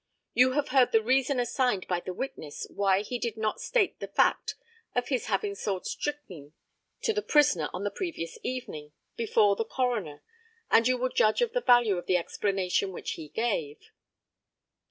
You have heard the reason assigned by the witness why he did not state the fact of his having sold strychnine to the prisoner on the previous evening, before the coroner, and you will judge of the value of the explanation which he gave.